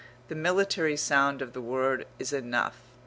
The military sound of the word is enough.